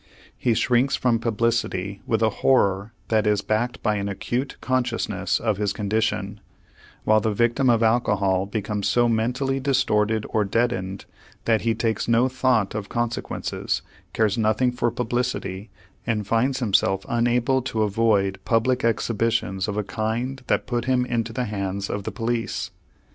He shrinks from publicity with a horror that is backed by an acute consciousness of his condition, while the victim of alcohol becomes so mentally distorted or deadened that he takes no thought of consequences, cares nothing for publicity, and finds himself unable to avoid public exhibitions of a kind that put him into the hands of the police.